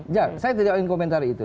ya saya tidak ingin komentari itu